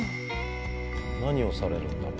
何をされるんだろう？